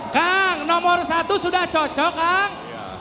kang nomor satu sudah cocok kang